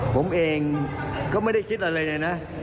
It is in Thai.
ผมเองก็ไม่ได้คิดอะไรเลยนะ